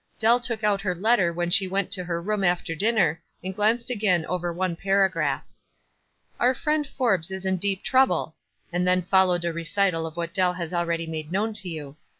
Dell took out her letter when she went to her room after dinner, and glanced again over one paragraph. "Our friend Forbes is in deep trouble," and then followed a recital of what Dell has already made known to you.